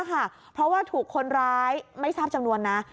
เพราะว่าถูกคนร้ายไม่ทราบจำนวนนะ